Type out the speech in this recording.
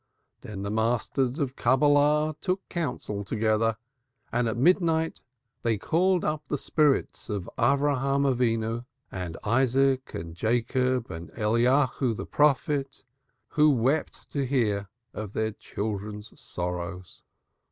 Then the Masters of Cabalah took counsel together and at midnight they called up the spirits of Abraham our father, and Isaac and Jacob, and Elijah the prophet, who wept to hear of their children's sorrows.